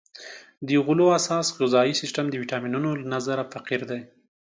د غلو اساس غذایي سیستم د ویټامینونو له نظره فقیر دی.